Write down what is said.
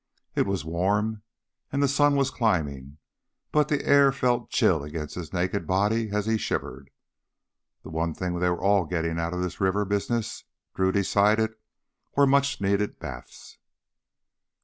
It was warm and the sun was climbing, but the air felt chill against his naked body and he shivered. The one thing they were all getting out of this river business, Drew decided, were much needed baths.